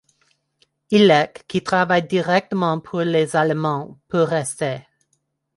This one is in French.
Hilek qui travaille directement pour les Allemands peut rester.